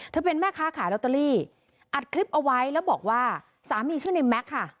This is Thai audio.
เป็นแม่ค้าขายลอตเตอรี่อัดคลิปเอาไว้แล้วบอกว่าสามีชื่อในแม็กซ์ค่ะ